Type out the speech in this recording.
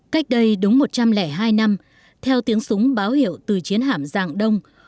cách đây đúng một trăm linh hai năm theo tiếng súng báo hiệu từ chiến hạm dạng đông